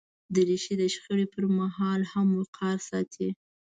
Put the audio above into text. دریشي د شخړې پر مهال هم وقار ساتي.